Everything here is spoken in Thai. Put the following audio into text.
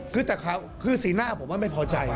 คือสีหน้าผมว่าไม่พอใจ